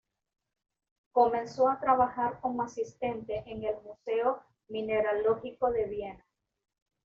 Comenzó a trabajar como asistente en el museo mineralógico de Viena.